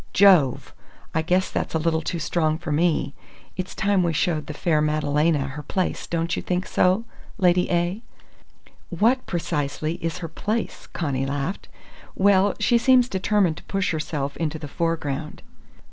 Jove! I guess that's a little too strong. It's time we showed the fair Madalena her place, don't you think so, Lady A?" "What, precisely, is her place?" Connie laughed. "Well, she seems determined to push herself into the foreground.